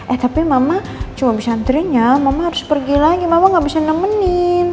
eh tapi mama cuma santrinya mama harus pergi lagi mama gak bisa nemenin